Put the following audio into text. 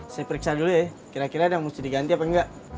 saya periksa dulu ya kira kira ada mesti diganti apa enggak